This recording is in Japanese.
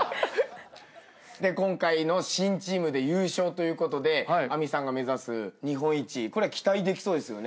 今回の新チームで優勝ということで明未さんが目指す日本一これは期待できそうですよね？